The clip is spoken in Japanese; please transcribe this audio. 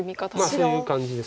そういう感じです。